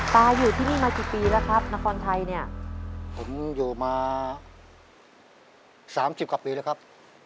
อยู่ที่นี่มากี่ปีแล้วครับนครไทยเนี่ยผมอยู่มาสามสิบกว่าปีแล้วครับ